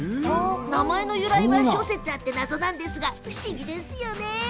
名前の由来は諸説あって謎なんですが不思議ですよね。